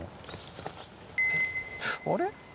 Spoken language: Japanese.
あれ？